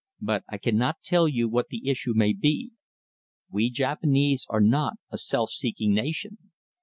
But I cannot tell you what the issue may be. We Japanese are not a self seeking nation.